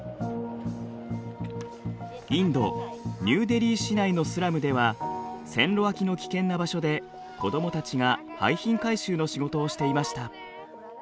インド・ニューデリー市内のスラムでは線路脇の危険な場所で子どもたちが廃品回収の仕事をしていました。